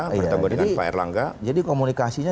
bertemu dengan pak erlangga jadi komunikasinya